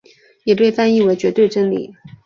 也被翻译为绝对真理。